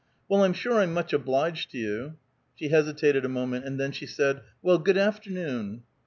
"Well, I'm sure I'm much obliged to you." She hesitated a moment, and then she said, "Well, good afternoon."